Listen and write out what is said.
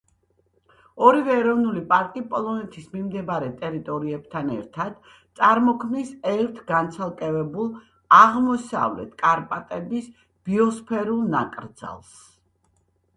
ორივე ეროვნული პარკი, პოლონეთის მიმდებარე ტერიტორიებთან ერთად, წარმოქმნის ერთ განცალკევებულ, აღმოსავლეთ კარპატების ბიოსფერულ ნაკრძალს.